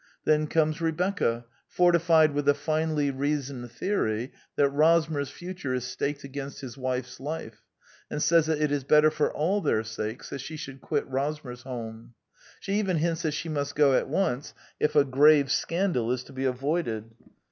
Then comes Rebecca, fortified with a finely reasoned theory that Rosmer's future is staked against his wife's life, and says that it is better for all their sakes that she should quit Rosmersholm. She even hints that she must go at once if a grave scandal is to be avoided.